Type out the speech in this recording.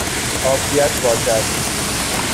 عافیت باشد!